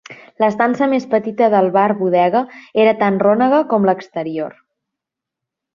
L'estança més petita del bar-bodega era tan rònega com l'exterior.